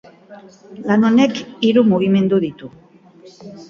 Lan honek hiru mugimendu ditu.